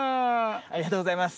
ありがとうございます！